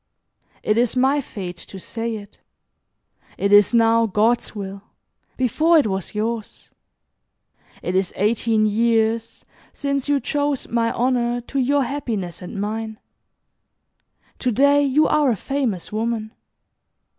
'" "It is my fate to say it. It is now God's will. Before it was yours. It is eighteen years since you chose my honor to your happiness and mine. To day you are a famous woman.